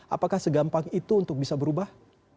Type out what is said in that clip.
apakah segampang itu untuk bisa berubah